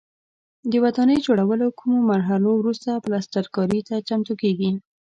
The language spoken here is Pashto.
د ودانۍ جوړولو کومو مرحلو وروسته پلسترکاري ته چمتو کېږي.